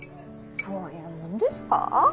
そういうもんですか？